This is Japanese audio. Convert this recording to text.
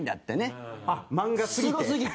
蛍原：漫画すぎて？